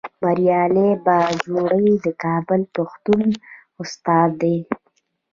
بریالی باجوړی د کابل پوهنتون استاد دی